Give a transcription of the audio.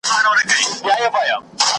نه تر څنډی د کوهي سوای ورختلای .